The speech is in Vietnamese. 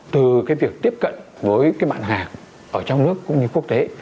từ việc tiếp cận với bạn hàng ở trong nước cũng như quốc tế